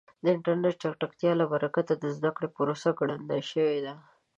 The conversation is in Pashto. د انټرنیټ د چټکتیا له برکته د زده کړې پروسه ګړندۍ شوې ده.